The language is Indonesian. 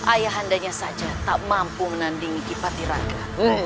ayah andanya saja tak mampu menandingi kipati raga